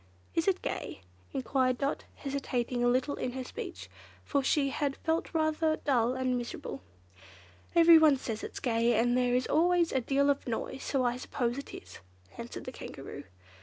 "Is it gay?" enquired Dot, hesitating a little in her speech, for she had felt rather dull and miserable. "Well, everyone says it's gay, and there is always a deal of noise, so I suppose it is," answered the Kankaroo.